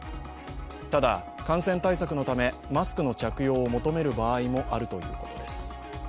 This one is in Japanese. ただ、感染対策のため、マスクの着用を求める場合もあるということです。